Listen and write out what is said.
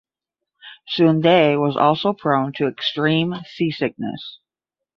Sunde was also prone to extreme seasickness.